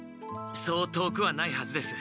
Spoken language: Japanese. そう遠くはないはずです。